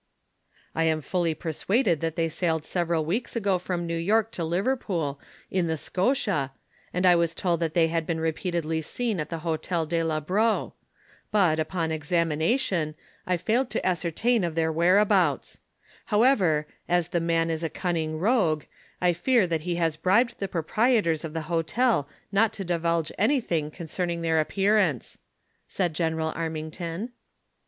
" I am fully persuaded that they sailed several weeks ago from New York to Liverpool, in the Scotia, and I was told that they had been repeatedly seen at the Hotel De La Breau ; but, upon examination, I failed to ascertain of their whereabouts ; however, as the man is a cunning rogue, I fear that he has bribed the proprietors of the hotel not to divulge anything concerning their appearance," said Gene ral Armington.